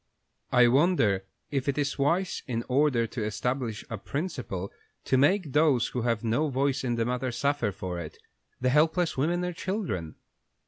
I wonder if it is wise, in order to establish a principle, to make those who have no voice in the matter suffer for it the helpless women and children?"